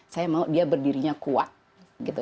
saya mau dia berdirinya kuat gitu